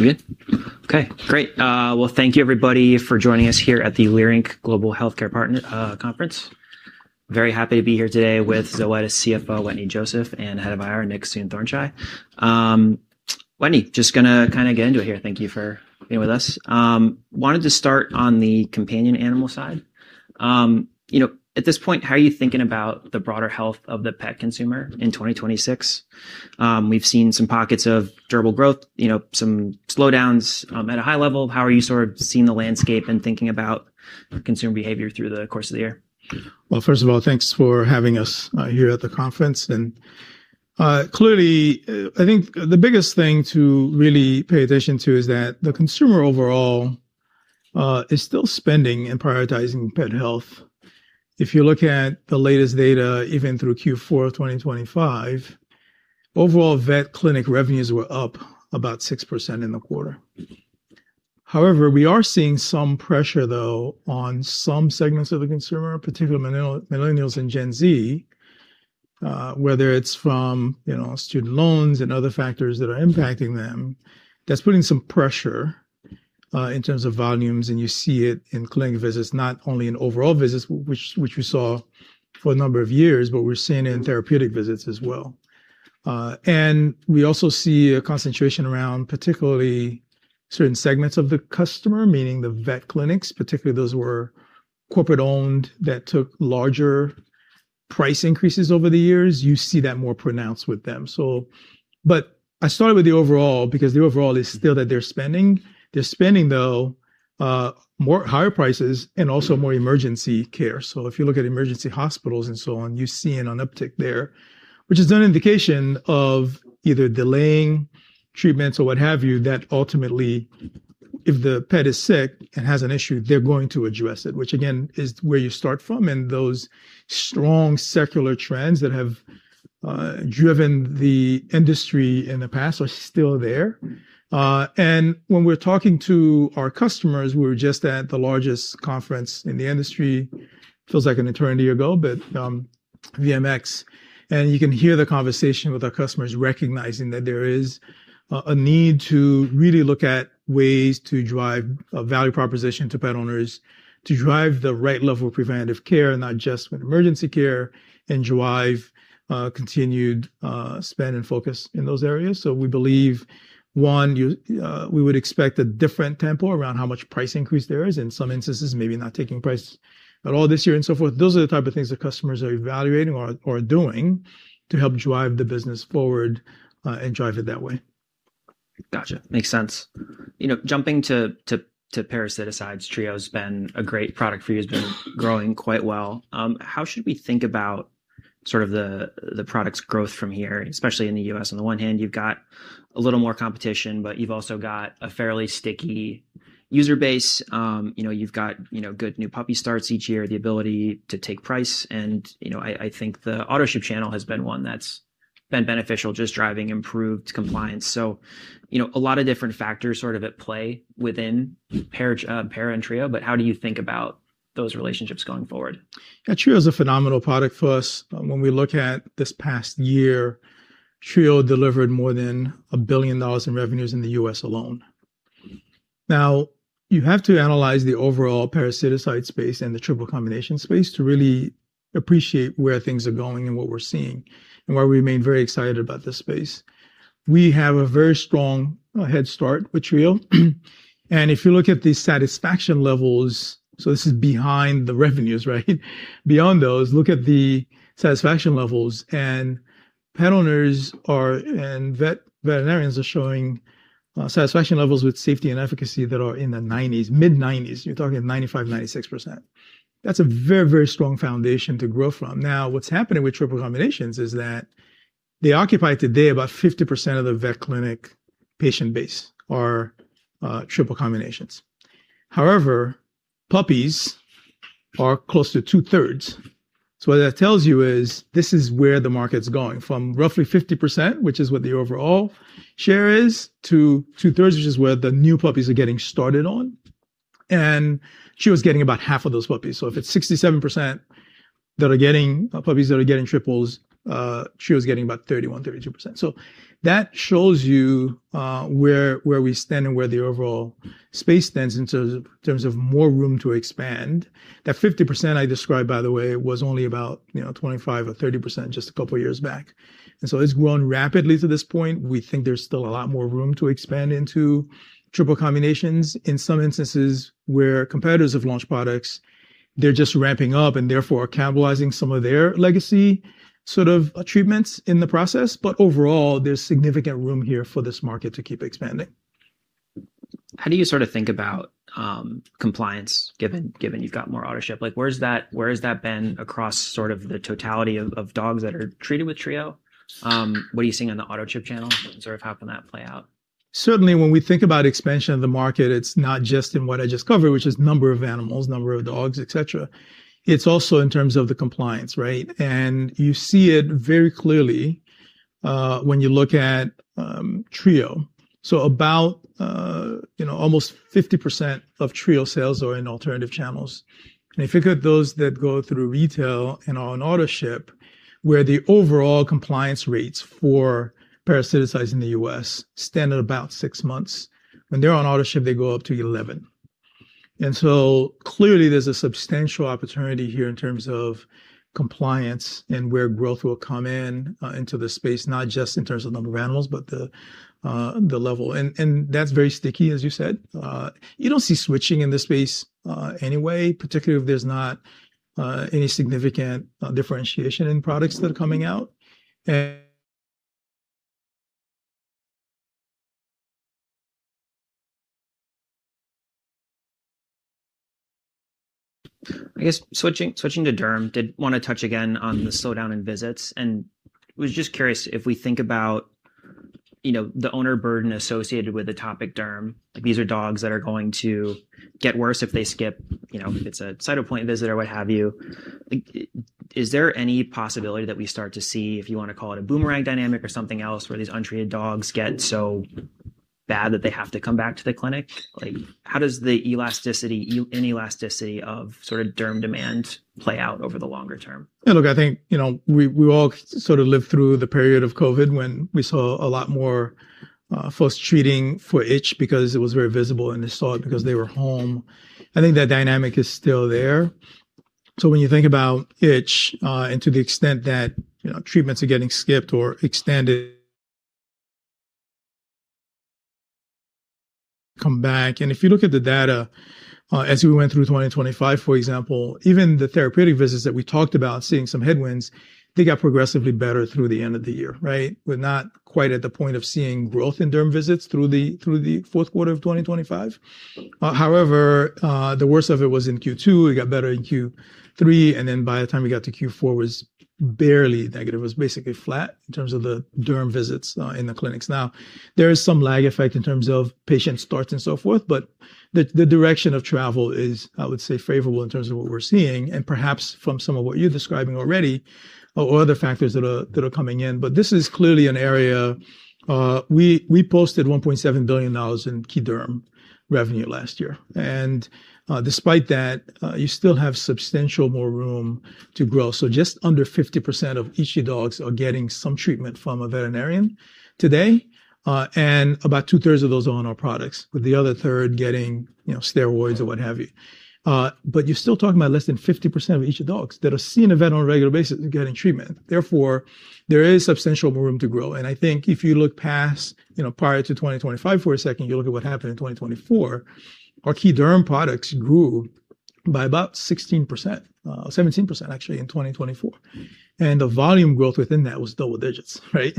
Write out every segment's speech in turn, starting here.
We're good? Okay, great. Well, thank you everybody for joining us here at the Leerink Global Healthcare Partner Conference. Very happy to be here today with Zoetis CFO, Wetteny Joseph, and Head of IR, Nick Soonthornchai. Wetteny, just gonna kinda get into it here. Thank you for being with us. Wanted to start on the companion animal side. You know, at this point, how are you thinking about the broader health of the pet consumer in 2026? We've seen some pockets of durable growth, you know, some slowdowns, at a high level. How are you sort of seeing the landscape and thinking about consumer behavior through the course of the year? First of all, thanks for having us here at the conference. Clearly, I think the biggest thing to really pay attention to is that the consumer overall is still spending and prioritizing pet health. If you look at the latest data, even through Q4 of 2025, overall vet clinic revenues were up about 6% in the quarter. However, we are seeing some pressure, though, on some segments of the consumer, particularly millennials and Gen Z, whether it's from, you know, student loans and other factors that are impacting them, that's putting some pressure in terms of volumes. You see it in clinic visits, not only in overall visits, which we saw for a number of years, but we're seeing it in therapeutic visits as well. We also see a concentration around particularly certain segments of the customer, meaning the vet clinics, particularly those who are corporate-owned that took larger price increases over the years. You see that more pronounced with them. I started with the overall because the overall is still that they're spending. They're spending, though, higher prices and also more emergency care. If you look at emergency hospitals and so on, you're seeing an uptick there, which is an indication of either delaying treatments or what have you, that ultimately, if the pet is sick and has an issue, they're going to address it, which again, is where you start from. Those strong secular trends that have driven the industry in the past are still there. When we're talking to our customers, we were just at the largest conference in the industry, feels like an eternity ago, but VMX, and you can hear the conversation with our customers recognizing that there is a need to really look at ways to drive a value proposition to pet owners to drive the right level of preventive care, not just with emergency care, and drive continued spend and focus in those areas. We believe, one, we would expect a different tempo around how much price increase there is. In some instances, maybe not taking price at all this year and so forth. Those are the type of things that customers are evaluating or doing to help drive the business forward, and drive it that way. Gotcha. Makes sense. You know, jumping to parasiticides, Trio's been a great product for you. It's been growing quite well. How should we think about sort of the product's growth from here, especially in the U.S.? On the one hand, you've got a little more competition, but you've also got a fairly sticky user base. You know, you've got, you know, good new puppy starts each year, the ability to take price and, you know, I think the autoship channel has been one that's been beneficial, just driving improved compliance. You know, a lot of different factors sort of at play within Para and Trio, but how do you think about those relationships going forward? Trio's a phenomenal product for us. When we look at this past year, Trio delivered more than $1 billion in revenues in the U.S. alone. You have to analyze the overall parasiticide space and the triple combination space to really appreciate where things are going and what we're seeing and why we remain very excited about this space. We have a very strong head start with Trio. If you look at the satisfaction levels, so this is behind the revenues, right? Beyond those, look at the satisfaction levels, and pet owners and veterinarians are showing satisfaction levels with safety and efficacy that are in the 90s, mid-90s. You're talking 95%, 96%. That's a very, very strong foundation to grow from. Now, what's happening with triple combinations is that they occupy today about 50% of the vet clinic patient base are, triple combinations. However, puppies are close to two-thirds. What that tells you is this is where the market's going. From roughly 50%, which is what the overall share is, to two-thirds, which is where the new puppies are getting started on. She was getting about half of those puppies. If it's 67% that are getting puppies that are getting triples, she was getting about 31%, 32%. That shows you, where we stand and where the overall space stands in terms of, in terms of more room to expand. That 50% I described, by the way, was only about, you know, 25% or 30% just a couple of years back. It's grown rapidly to this point. We think there's still a lot more room to expand into triple combinations. In some instances where competitors have launched products, they're just ramping up and therefore are cannibalizing some of their legacy sort of treatments in the process. Overall, there's significant room here for this market to keep expanding. How do you sort of think about compliance, given you've got more autoship? Like, where has that been across sort of the totality of dogs that are treated with Trio? What are you seeing on the autoship channel and sort of how can that play out? Certainly when we think about expansion of the market, it's not just in what I just covered, which is number of animals, number of dogs, etc. It's also in terms of the compliance, right? You see it very clearly when you look at Trio. About almost 50% of Trio sales are in alternative channels. If you look at those that go through retail and on autoship, where the overall compliance rates for parasiticides in the U.S. stand at about six months, when they're on autoship, they go up to 11. Clearly there's a substantial opportunity here in terms of compliance and where growth will come in into the space, not just in terms of number of animals, but the level. And that's very sticky, as you said. You don't see switching in this space, anyway, particularly if there's not any significant differentiation in products that are coming out. I guess switching to derm, did want to touch again on the slowdown in visits and was just curious if we think about, you know, the owner burden associated with atopic derm. These are dogs that are going to get worse if they skip, you know, if it's a Cytopoint visit or what have you. Like, is there any possibility that we start to see, if you want to call it a boomerang dynamic or something else, where these untreated dogs get so bad that they have to come back to the clinic? Like how does the elasticity, any elasticity of sort of derm demand play out over the longer term? Look, I think, you know, we all sort of lived through the period of COVID when we saw a lot more folks treating for itch because it was very visible and they saw it because they were home. I think that dynamic is still there. When you think about itch, and to the extent that, you know, treatments are getting skipped or extended... come back. If you look at the data, as we went through 2025, for example, even the therapeutic visits that we talked about seeing some headwinds, they got progressively better through the end of the year, right? We're not quite at the point of seeing growth in derm visits through the fourth quarter of 2025. However, the worst of it was in Q2. It got better in Q3. By the time we got to Q4, it was barely negative. It was basically flat in terms of the derm visits in the clinics. There is some lag effect in terms of patient starts and so forth, but the direction of travel is, I would say, favorable in terms of what we're seeing and perhaps from some of what you're describing already or other factors that are coming in. This is clearly an area, we posted $1.7 billion in Key Derm revenue last year. Despite that, you still have substantial more room to grow. Just under 50% of itchy dogs are getting some treatment from a veterinarian today, and about 2/3 of those are on our products, with the other 1/3 getting, you know, steroids or what have you. You're still talking about less than 50% of itchy dogs that are seeing a vet on a regular basis getting treatment. Therefore, there is substantial more room to grow. I think if you look past, you know, prior to 2025 for a second, you look at what happened in 2024, our Key Derm products grew by about 16%, 17% actually in 2024. The volume growth within that was double digits, right?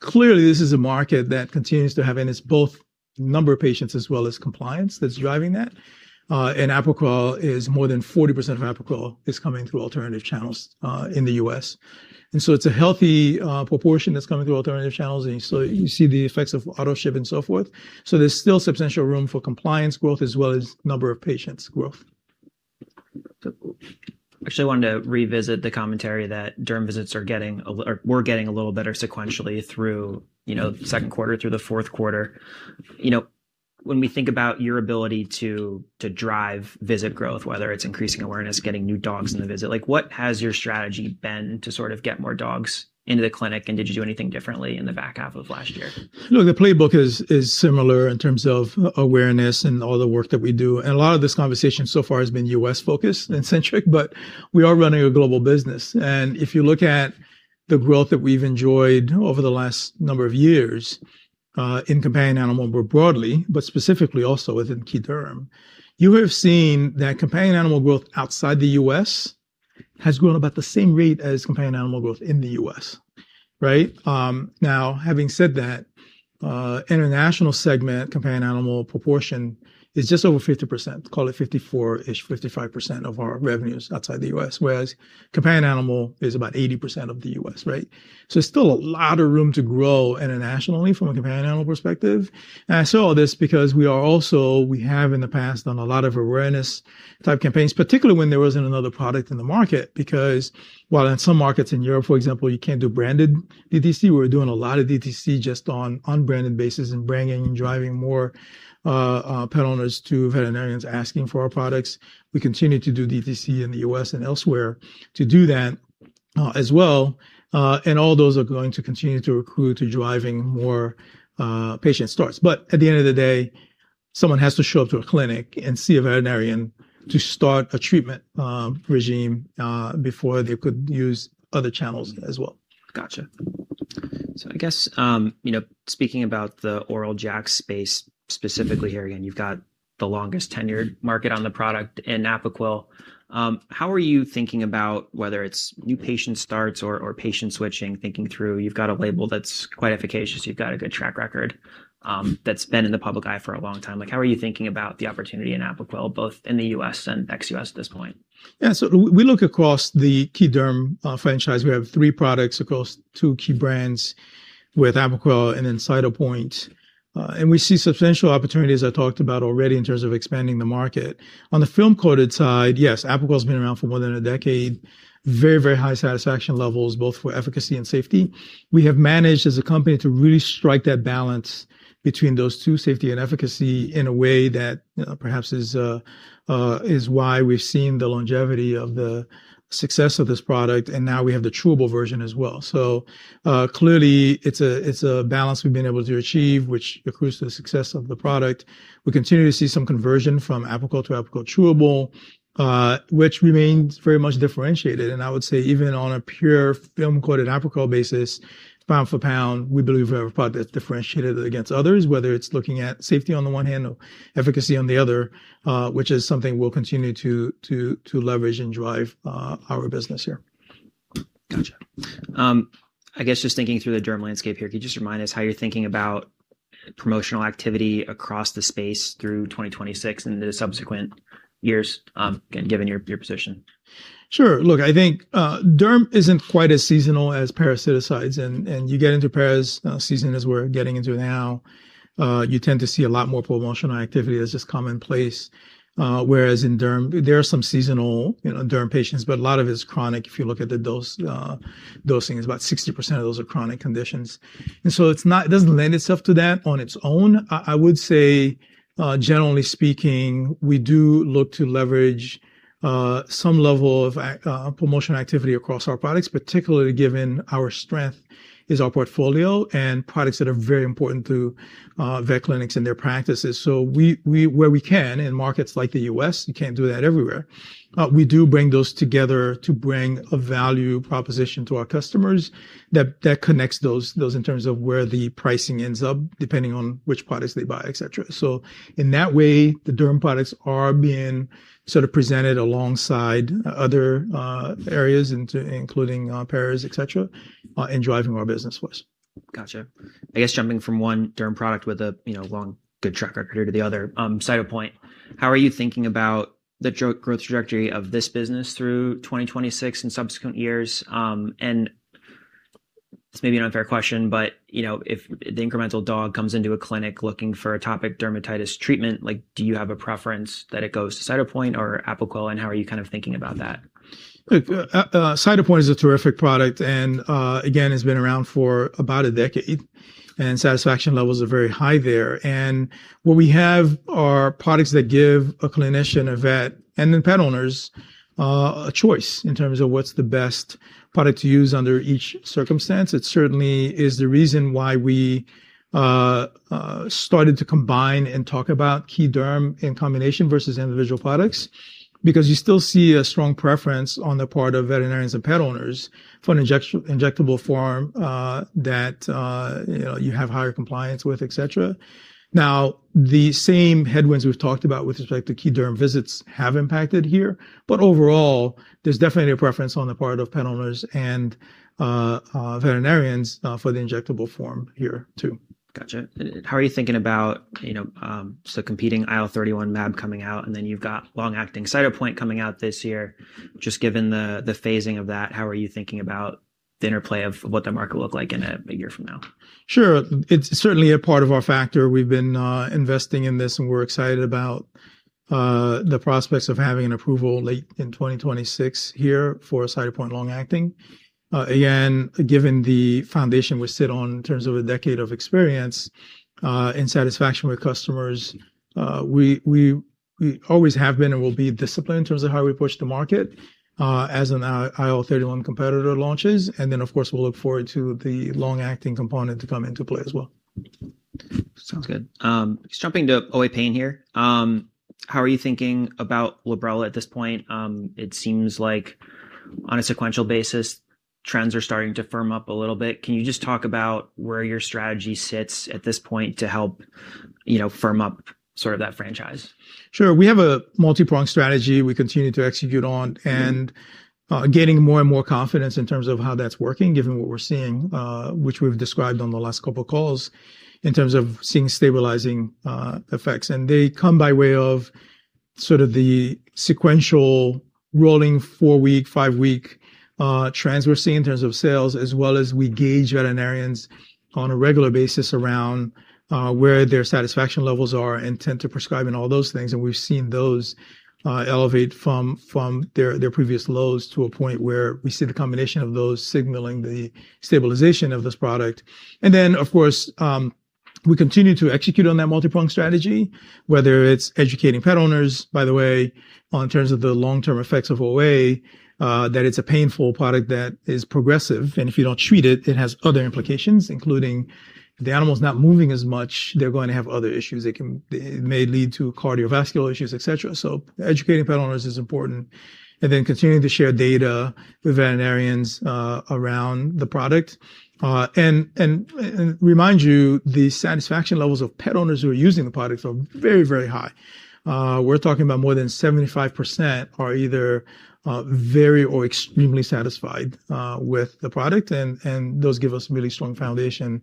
Clearly this is a market that and it's both number of patients as well as compliance that's driving that. Apoquel is more than 40% of Apoquel is coming through alternative channels in the U.S.. It's a healthy proportion that's coming through alternative channels, and you see the effects of autoship and so forth. There's still substantial room for compliance growth as well as number of patients growth. Actually wanted to revisit the commentary that Derm visits are getting a little better sequentially through, you know, second quarter through the fourth quarter. You know, when we think about your ability to drive visit growth, whether it's increasing awareness, getting new dogs in the visit, like what has your strategy been to sort of get more dogs into the clinic, and did you do anything differently in the back half of last year? Look, the playbook is similar in terms of awareness and all the work that we do, and a lot of this conversation so far has been U.S.-focused and centric, but we are running a global business. If you look at the growth that we've enjoyed over the last number of years, in companion animal more broadly, but specifically also within Key Derm, you would've seen that companion animal growth outside the U.S. has grown about the same rate as companion animal growth in the U.S., right? Now having said that, international segment companion animal proportion is just over 50%, call it 54-ish, 55% of our revenues outside the U.S., whereas companion animal is about 80% of the U.S., right? There's still a lot of room to grow internationally from a companion animal perspective. I saw this because we have in the past done a lot of awareness-type campaigns, particularly when there wasn't another product in the market. While in some markets in Europe, for example, you can't do branded DTC, we're doing a lot of DTC just on unbranded basis and bringing and driving more pet owners to veterinarians asking for our products. We continue to do DTC in the U.S. and elsewhere to do that as well. All those are going to continue to accrue to driving more patient starts. At the end of the day, someone has to show up to a clinic and see a veterinarian to start a treatment regime before they could use other channels as well. Gotcha. I guess, you know, speaking about the oral JAK space specifically here, again, you've got the longest tenured market on the product in Apoquel. How are you thinking about whether it's new patient starts or patient switching, thinking through you've got a label that's quite efficacious, you've got a good track record, that's been in the public eye for a long time? Like how are you thinking about the opportunity in Apoquel, both in the U.S. and ex-U.S. at this point? Yeah. We look across the Key Derm franchise. We have three products across two key brands with Apoquel and then Cytopoint. We see substantial opportunities I talked about already in terms of expanding the market. On the film-coated side, yes, Apoquel's been around for more than a decade. Very, very high satisfaction levels both for efficacy and safety. We have managed as a company to really strike that balance between those two, safety and efficacy, in a way that, you know, perhaps is why we've seen the longevity of the success of this product, and now we have the chewable version as well. Clearly it's a balance we've been able to achieve, which accrues to the success of the product. We continue to see some conversion from Apoquel to Apoquel chewable, which remains very much differentiated. I would say even on a pure film-coated Apoquel basis, pound for pound, we believe we have a product that's differentiated against others, whether it's looking at safety on the one hand or efficacy on the other, which is something we'll continue to leverage and drive our business here. Gotcha. I guess just thinking through the derm landscape here, could you just remind us how you're thinking about promotional activity across the space through 2026 and into subsequent years, given your position? Sure. Look, I think, derm isn't quite as seasonal as parasiticides. You get into paras season as we're getting into now, you tend to see a lot more promotional activity that's just commonplace. Whereas in derm, there are some seasonal, you know, derm patients, but a lot of it's chronic. If you look at the dose, dosing, it's about 60% of those are chronic conditions. It doesn't lend itself to that on its own. I would say, generally speaking, we do look to leverage some level of promotional activity across our products, particularly given our strength is our portfolio and products that are very important to vet clinics and their practices. We where we can in markets like the U.S., you can't do that everywhere, we do bring those together to bring a value proposition to our customers that connects those in terms of where the pricing ends up, depending on which products they buy, etc. In that way, the derm products are being sort of presented alongside other areas including paras, etc, in driving our business voice. Gotcha. I guess jumping from one derm product with a, you know, long, good track record here to the other, Cytopoint, how are you thinking about the growth trajectory of this business through 2026 and subsequent years? This may be an unfair question, but, you know, if the incremental dog comes into a clinic looking for atopic dermatitis treatment, like, do you have a preference that it goes to Cytopoint or Apoquel? How are you kind of thinking about that? Look, Cytopoint is a terrific product, and again, it's been around for about a decade, and satisfaction levels are very high there. What we have are products that give a clinician, a vet, and then pet owners, a choice in terms of what's the best product to use under each circumstance. It certainly is the reason why we started to combine and talk about Dermatology in combination versus individual products, because you still see a strong preference on the part of veterinarians and pet owners for an injectable form that, you know, you have higher compliance with, etc. The same headwinds we've talked about with respect to Dermatology visits have impacted here. Overall, there's definitely a preference on the part of pet owners and veterinarians for the injectable form here too. Gotcha. How are you thinking about, you know, so competing IL-31 mAb coming out, and then you've got long-acting Cytopoint coming out this year. Just given the phasing of that, how are you thinking about the interplay of what that market will look like in a year from now? Sure. It's certainly a part of our factor. We've been investing in this, and we're excited about the prospects of having an approval late in 2026 here for Cytopoint long-acting. Again, given the foundation we sit on in terms of a decade of experience and satisfaction with customers, we always have been and will be disciplined in terms of how we push the market as an IL-31 competitor launches. Then, of course, we'll look forward to the long-acting component to come into play as well. Sounds good. Just jumping to OA pain here. How are you thinking about Librela at this point? It seems like on a sequential basis, trends are starting to firm up a little bit. Can you just talk about where your strategy sits at this point to help, you know, firm up sort of that franchise? Sure. We have a multi-pronged strategy we continue to execute on, getting more and more confidence in terms of how that's working, given what we're seeing, which we've described on the last couple calls in terms of seeing stabilizing effects. They come by way of sort of the sequential rolling four-week, five-week trends we're seeing in terms of sales, as well as we gauge veterinarians on a regular basis around where their satisfaction levels are and tend to prescribe and all those things. We've seen those elevate from their previous lows to a point where we see the combination of those signaling the stabilization of this product. Of course, we continue to execute on that multi-pronged strategy, whether it's educating pet owners, by the way, in terms of the long-term effects of OA, that it's a painful product that is progressive, and if you don't treat it has other implications, including the animal's not moving as much, they're going to have other issues. It may lead to cardiovascular issues, etc. Educating pet owners is important. Continuing to share data with veterinarians around the product. And remind you, the satisfaction levels of pet owners who are using the product are very, very high. We're talking about more than 75% are either very or extremely satisfied with the product. Those give us really strong foundation.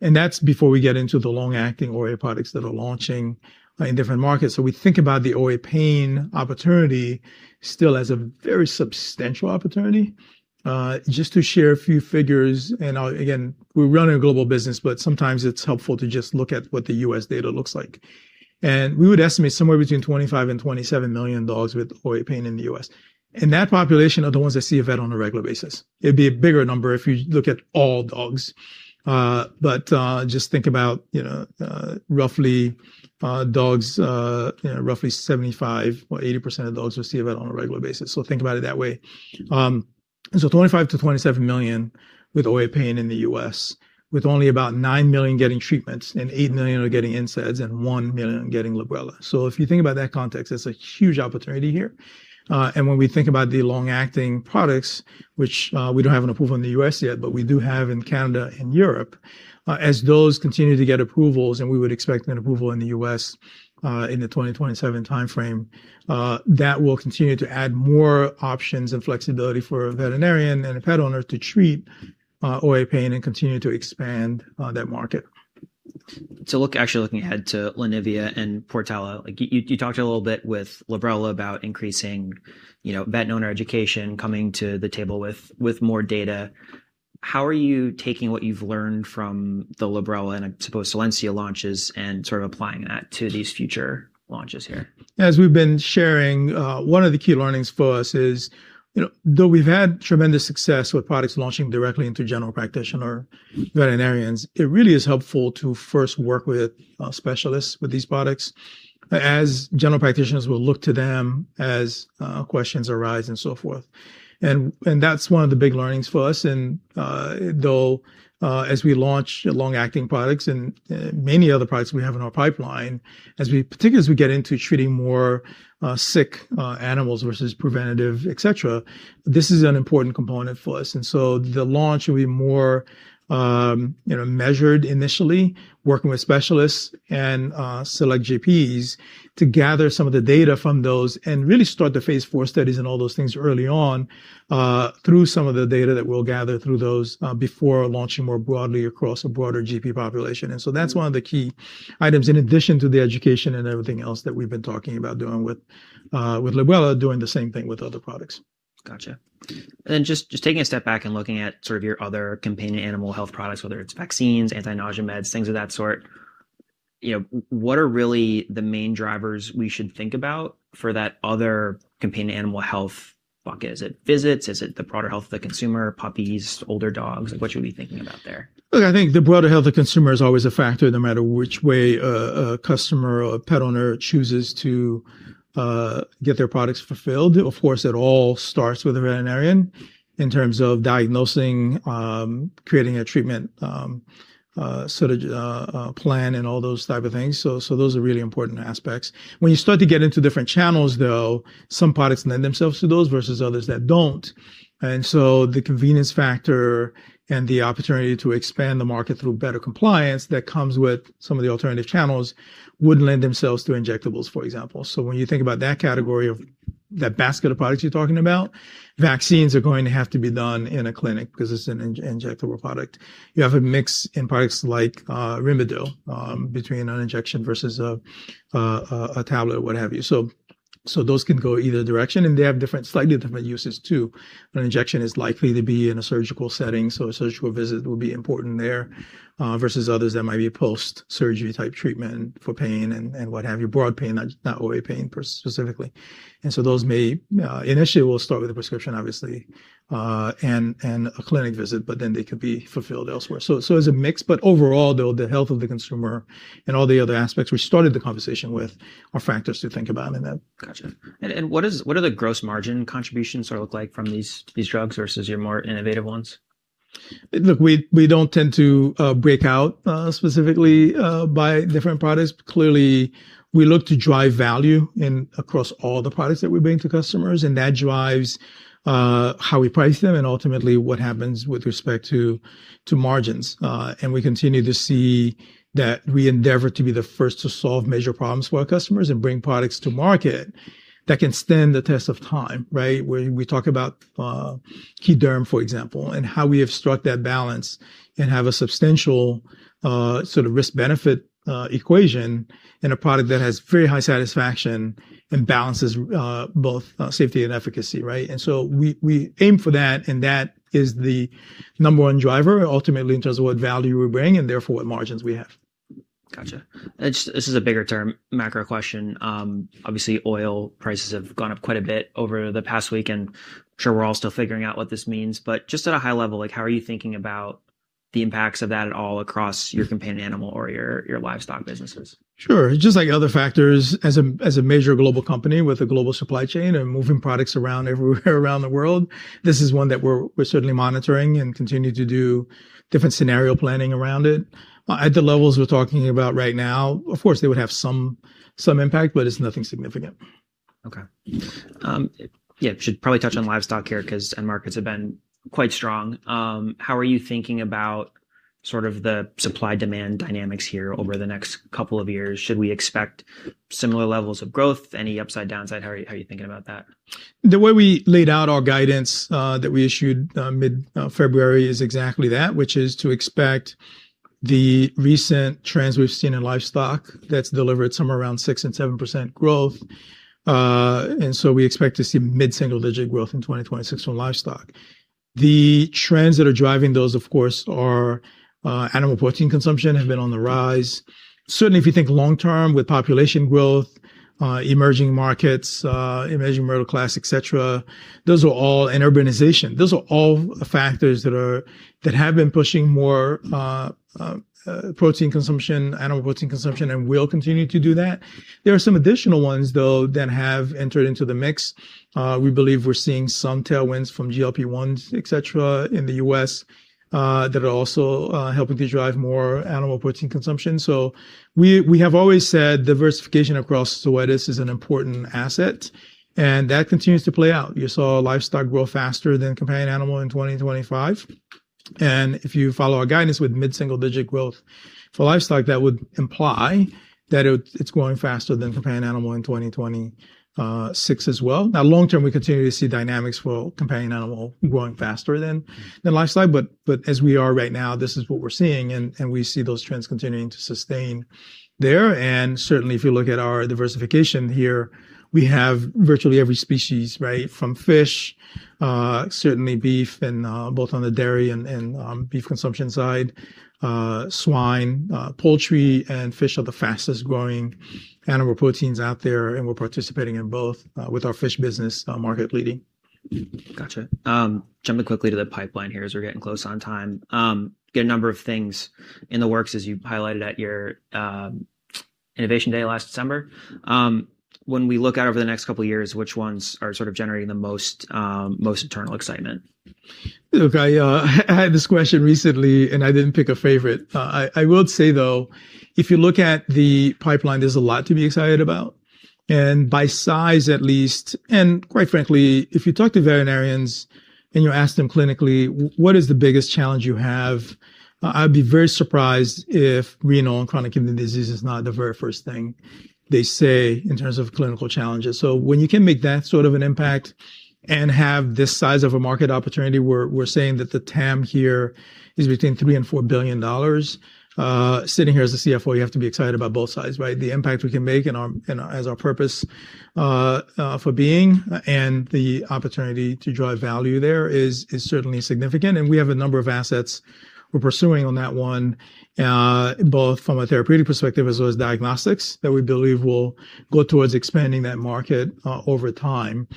That's before we get into the long-acting OA products that are launching, in different markets. We think about the OA pain opportunity still as a very substantial opportunity. Just to share a few figures, and again, we're running a global business, but sometimes it's helpful to just look at what the U.S. data looks like. We would estimate somewhere between 25 million and 27 million dogs with OA pain in the U.S.. That population are the ones that see a vet on a regular basis. It'd be a bigger number if you look at all dogs. Just think about, you know, roughly, dogs, you know, roughly 75% or 80% of dogs will see a vet on a regular basis. Think about it that way. $25 million-$27 million with OA pain in the U.S., with only about $9 million getting treatments and $8 million are getting NSAIDs and $1 million getting Librela. If you think about that context, it's a huge opportunity here. When we think about the long-acting products, which, we don't have an approval in the U.S. yet, but we do have in Canada and Europe, as those continue to get approvals, and we would expect an approval in the U.S., in the 2027 timeframe, that will continue to add more options and flexibility for a veterinarian and a pet owner to treat OA pain and continue to expand that market. To look, actually looking ahead to Lenivia and Portela, like you talked a little bit with Librela about increasing you know, vet owner education, coming to the table with more data. How are you taking what you've learned from the Librela and I suppose Solensia launches and sort of applying that to these future launches here? As we've been sharing, one of the key learnings for us is you know, though we've had tremendous success with products launching directly into general practitioner veterinarians, it really is helpful to first work with specialists with these products as general practitioners will look to them as questions arise and so forth. That's one of the big learnings for us. Though, as we launch long-acting products and many other products we have in our pipeline, particularly as we get into treating more sick animals versus preventative, etc, this is an important component for us. The launch will be more, you know, measured initially, working with specialists and select GPs to gather some of the data from those and really start the phase IV studies and all those things early on, through some of the data that we'll gather through those, before launching more broadly across a broader GP population. That's one of the key items in addition to the education and everything else that we've been talking about doing with Librela, doing the same thing with other products. Gotcha. Just taking a step back and looking at sort of your other companion animal health products, whether it's vaccines, anti-nausea meds, things of that sort you know, what are really the main drivers we should think about for that other companion animal health bucket? Is it visits? Is it the broader health of the consumer, puppies, older dogs? What should we be thinking about there? Look, I think the broader health of consumer is always a factor no matter which way a customer or a pet owner chooses to get their products fulfilled. Of course, it all starts with a veterinarian in terms of diagnosing, creating a treatment, sort of plan and all those type of things. Those are really important aspects. When you start to get into different channels, though, some products lend themselves to those versus others that don't. The convenience factor and the opportunity to expand the market through better compliance that comes with some of the alternative channels would lend themselves to injectables, for example. When you think about that category of that basket of products you're talking about, vaccines are going to have to be done in a clinic because it's an in-injectable product. You have a mix in products like Rimadyl, between an injection versus a tablet, what have you. Those can go either direction, and they have different, slightly different uses too. An injection is likely to be in a surgical setting, so a surgical visit will be important there, versus others that might be post-surgery type treatment for pain and what have you. Broad pain, not OA pain specifically. Those may initially will start with a prescription obviously, and a clinic visit, but then they could be fulfilled elsewhere. As a mix, but overall though, the health of the consumer and all the other aspects we started the conversation with are factors to think about in that. Gotcha. What do the gross margin contributions sort of look like from these drugs versus your more innovative ones? Look, we don't tend to break out specifically by different products. Clearly, we look to drive value in across all the products that we bring to customers, and that drives how we price them and ultimately what happens with respect to margins. We continue to see that we endeavor to be the first to solve major problems for our customers and bring products to market that can stand the test of time, right? We talk about Dermatology, for example, and how we have struck that balance and have a substantial sort of risk-benefit equation in a product that has very high satisfaction and balances both safety and efficacy, right? We aim for that, and that is the number one driver ultimately in terms of what value we bring and therefore what margins we have. Gotcha. This is a bigger term macro question. Obviously oil prices have gone up quite a bit over the past week, and I'm sure we're all still figuring out what this means. Just at a high level, like how are you thinking about the impacts of that at all across your companion animal or your livestock businesses? Sure. Just like other factors, as a major global company with a global supply chain and moving products around everywhere around the world, this is one that we're certainly monitoring and continue to do different scenario planning around it. At the levels we're talking about right now, of course, they would have some impact, but it's nothing significant. Yeah, should probably touch on livestock here because end markets have been quite strong. How are you thinking about sort of the supply-demand dynamics here over the next couple of years? Should we expect similar levels of growth? Any upside, downside? How are you, how are you thinking about that? The way we laid out our guidance that we issued mid-February is exactly that, which is to expect the recent trends we've seen in livestock that's delivered somewhere around 6% and 7% growth. We expect to see mid-single digit growth in 2026 from livestock. The trends that are driving those of course are animal protein consumption have been on the rise. Certainly, if you think long-term with population growth, emerging markets, emerging middle class, etc, those are all factors, and urbanization, that have been pushing more protein consumption, animal protein consumption and will continue to do that. There are some additional ones though that have entered into the mix. We believe we're seeing some tailwinds from GLP-1s, etc, in the U.S., that are also helping to drive more animal protein consumption. We have always said diversification across Zoetis is an important asset. That continues to play out. You saw livestock grow faster than companion animal in 2025. If you follow our guidance with mid-single-digit growth for livestock, that would imply that it's growing faster than companion animal in 2026 as well. Now long term, we continue to see dynamics for companion animal growing faster than livestock. As we are right now, this is what we're seeing, and we see those trends continuing to sustain there. Certainly if you look at our diversification here, we have virtually every species, right? From fish, certainly beef and, both on the dairy and beef consumption side. Swine, poultry and fish are the fastest-growing animal proteins out there, and we're participating in both, with our fish business, market-leading. Gotcha. Jumping quickly to the pipeline here as we're getting close on time. Get a number of things in the works as you highlighted at your innovation day last December. When we look out over the next couple of years, which ones are sort of generating the most internal excitement? Look, I had this question recently. I didn't pick a favorite. I will say though, if you look at the pipeline, there's a lot to be excited about and by size at least, and quite frankly, if you talk to veterinarians and you ask them clinically, "What is the biggest challenge you have?" I'd be very surprised if renal and chronic kidney disease is not the very first thing they say in terms of clinical challenges. When you can make that sort of an impact and have this size of a market opportunity, we're saying that the TAM here is between $3 billion and $4 billion. Sitting here as a CFO, you have to be excited about both sides, right? The impact we can make and as our purpose for being and the opportunity to drive value there is certainly significant. We have a number of assets we're pursuing on that one, both from a therapeutic perspective as well as diagnostics that we believe will go towards expanding that market over time.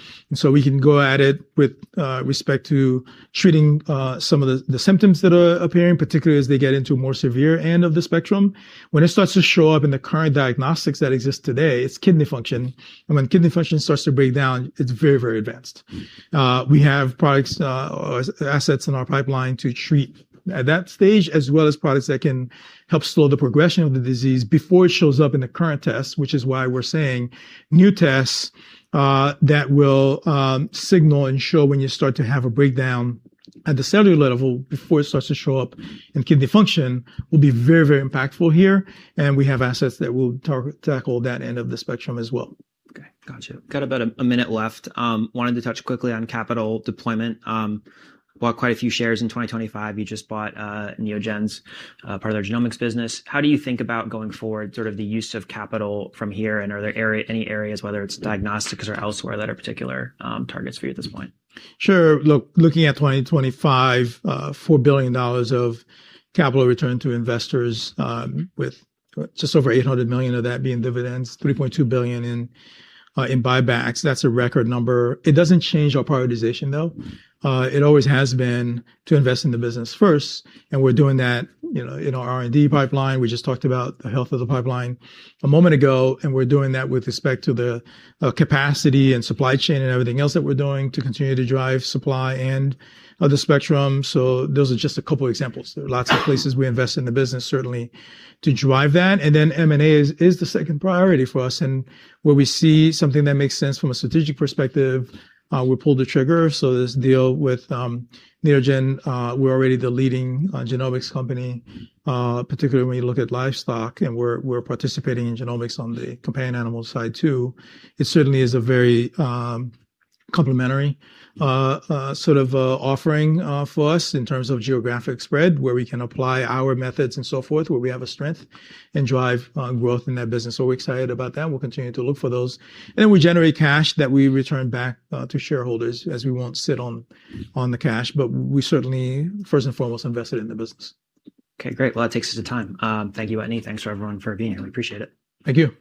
We can go at it with respect to treating some of the symptoms that are appearing, particularly as they get into more severe end of the spectrum. When it starts to show up in the current diagnostics that exist today, it's kidney function. When kidney function starts to break down, it's very advanced. We have products, or assets in our pipeline to treat at that stage, as well as products that can help slow the progression of the disease before it shows up in the current test, which is why we're seeing new tests that will signal and show when you start to have a breakdown at the cellular level before it starts to show up in kidney function will be very, very impactful here. We have assets that will tackle that end of the spectrum as well. Okay. Got you. Got about a minute left. Wanted to touch quickly on capital deployment. Bought quite a few shares in 2025. You just bought Neogen's part of their genomics business. How do you think about going forward, sort of the use of capital from here and are there any areas, whether it's diagnostics or elsewhere that are particular targets for you at this point? Sure. Look, looking at 2025, $4 billion of capital return to investors, with just over $800 million of that being dividends, $3.2 billion in buybacks, that's a record number. It doesn't change our prioritization, though. It always has been to invest in the business first, and we're doing that, you know, in our R&D pipeline. We just talked about the health of the pipeline a moment ago, and we're doing that with respect to the capacity and supply chain and everything else that we're doing to continue to drive supply and other spectrum. Those are just a couple of examples. There are lots of places we invest in the business, certainly to drive that. M&A is the second priority for us. Where we see something that makes sense from a strategic perspective, we pull the trigger. This deal with Neogen, we're already the leading genomics company, particularly when you look at livestock and we're participating in genomics on the companion animal side too. It certainly is a very complementary sort of offering for us in terms of geographic spread, where we can apply our methods and so forth, where we have a strength and drive growth in that business. We're excited about that, and we'll continue to look for those. We generate cash that we return back to shareholders as we won't sit on the cash. We certainly, first and foremost, invested in the business. Okay, great. Well, that takes us to time. Thank you, Wetteny. Thanks for everyone for being here. We appreciate it. Thank you.